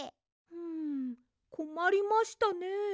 んこまりましたね。